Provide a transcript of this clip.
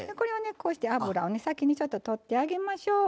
こうして脂を先にとってあげましょう。